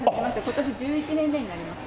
今年１１年目になります。